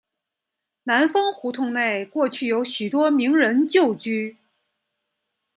南丰胡同内过去有许多名人旧居。